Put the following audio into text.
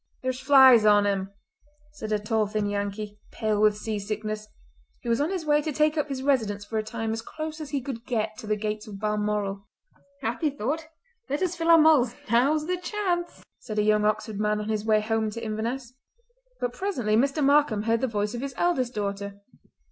"There's flies on him," said a tall thin Yankee, pale with sea sickness, who was on his way to take up his residence for a time as close as he could get to the gates of Balmoral. "Happy thought! Let us fill our mulls; now's the chance!" said a young Oxford man on his way home to Inverness. But presently Mr. Markam heard the voice of his eldest daughter.